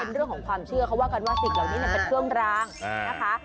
เป็นเรื่องของความเชื่อเขาว่ากันว่าสิ่งเหล่านี้มันเป็นเครื่องรางนะคะ